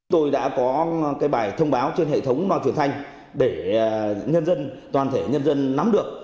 tôi đã có bài thông báo trên hệ thống loa truyền thanh để nhân dân toàn thể nhân dân nắm được